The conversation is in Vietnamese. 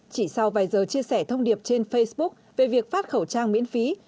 chỉ sau vài giờ chia sẻ thông điệp trên facebook về việc phát khẩu trang miễn phí